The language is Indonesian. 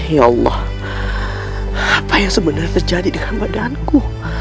ya allah apa yang sebenarnya terjadi dengan badanku